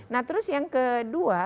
nah terus yang kedua